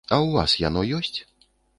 А ў вас яно ёсць?